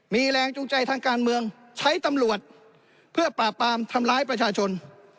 มีแรงจูงใจทางการเมืองใช้ตำรวจเพื่อปราบปามทำร้ายประชาชน